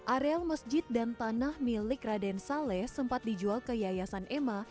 areal masjid dan tanah milik raden saleh sempat dijual ke yayasan emma